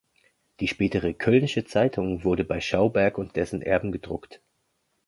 Die spätere "Kölnische Zeitung" wurde bei Schauberg und dessen Erben gedruckt.